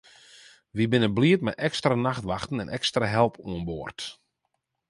Wy binne bliid mei ekstra nachtwachten en ekstra help oan board.